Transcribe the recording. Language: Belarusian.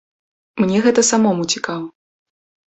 Мне гэта самому цікава.